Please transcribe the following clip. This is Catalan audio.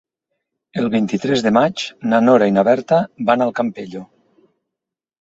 El vint-i-tres de maig na Nora i na Berta van al Campello.